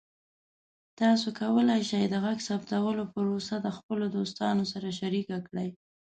تاسو کولی شئ د غږ ثبتولو پروسه د خپلو دوستانو سره شریکه کړئ.